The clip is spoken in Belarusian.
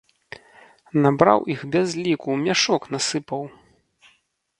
Набраў іх без ліку, у мяшок насыпаў!